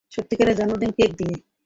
সত্যিকারের জন্মদিনের কেক দিয়ে।